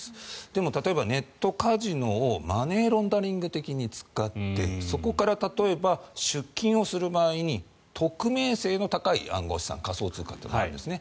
でも、例えばネットカジノをマネーロンダリング的に使ってそこから例えば、出金をする場合に匿名性の高い暗号資産仮想通貨というのがあるんですね。